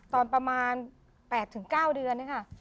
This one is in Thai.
ตอนประมาณ๘๙เดือนเนี่ยค่ะ